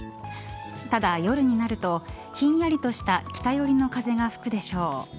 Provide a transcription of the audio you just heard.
ただ、夜になるとひんやりとした北寄りの風が吹くでしょう。